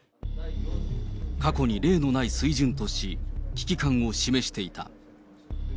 過去に例のない水準とし、危機感を示していた。